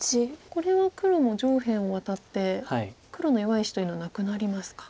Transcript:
これは黒も上辺をワタって黒の弱い石というのはなくなりますか。